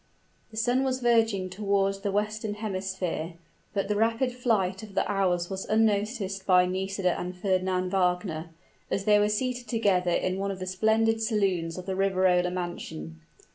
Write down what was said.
The sun was verging toward the western hemisphere, but the rapid flight of the hours was unnoticed by Nisida and Fernand Wagner, as they were seated together in one of the splendid saloons of the Riverola mansion.